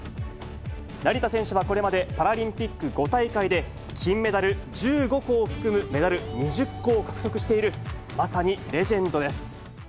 成田選手はこれまでパラリンピック５大会で金メダル１５個を含むメダル２０個を獲得している、まさにレジェンドです。